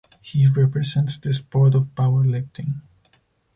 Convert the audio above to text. He represents the sport of Powerlifting.